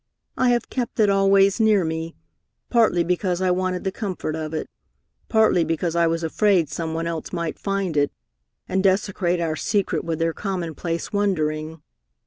"I have kept it always near me; partly because I wanted the comfort of it, partly because I was afraid some one else might find it, and desecrate our secret with their common place wondering."